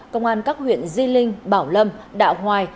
công an các huyện di linh bảo lâm đạo hoài